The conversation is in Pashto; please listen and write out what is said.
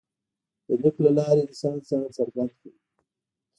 د لیک له لارې انسان ځان څرګند کړ.